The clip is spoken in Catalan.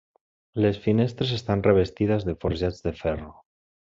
Les finestres estan revestides de forjats de ferro.